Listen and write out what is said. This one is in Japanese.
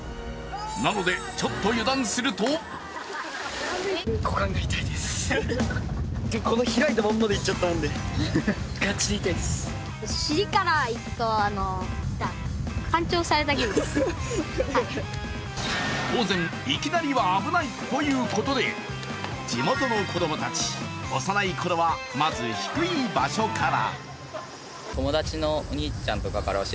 なので、ちょっと油断すると当然、いきなりは危ない！ということで地元の子供たち、幼いころはまず、低い場所から。